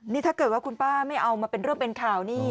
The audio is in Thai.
นี่ถ้าเกิดว่าคุณป้าไม่เอามาเป็นเรื่องเป็นข่าวนี่